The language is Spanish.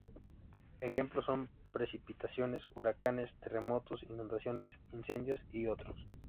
Ejemplos son: precipitaciones, huracanes, terremotos, inundaciones, incendios y otros.